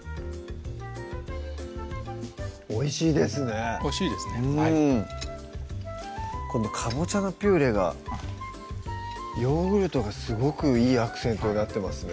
おいしいですねおいしいですねはいこのかぼちゃのピューレがヨーグルトがすごくいいアクセントになってますね